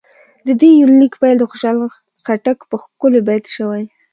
د دې يونليک پيل د خوشحال خټک په ښکلي بېت شوې